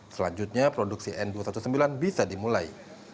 selanjutnya produksi n dua ratus sembilan belas bisa dimulai